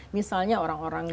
misalnya orang orang dengan